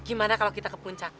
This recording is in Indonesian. eh gimana kalo kita ke puncak